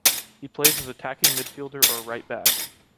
He plays as attacking midfielder or right back.